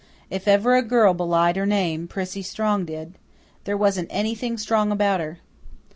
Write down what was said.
If ever a girl belied her name, Prissy Strong did. There wasn't anything strong about her.